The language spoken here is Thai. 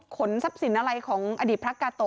ขนทรัพย์สินอะไรของอดีตพระกาโต